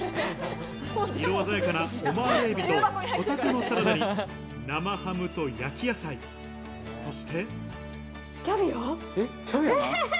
色鮮やかなオマールエビとホタテのサラダに生ハムと焼き野菜、そして。